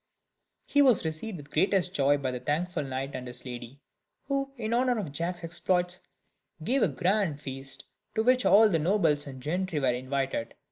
He was received with the greatest joy by the thankful knight and his lady, who, in honour of Jack's exploits, gave a grand feast, to which all the nobles and gentry were invited.